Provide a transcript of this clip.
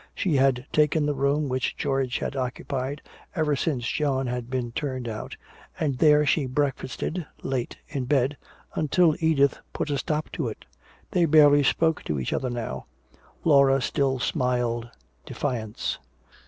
She had taken the room which George had occupied ever since John had been turned out, and there she breakfasted late in bed, until Edith put a stop to it. They barely spoke to each other now. Laura still smiled defiance.